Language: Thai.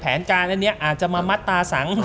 แผนการอันนี้อาจจะมามัดตาสัง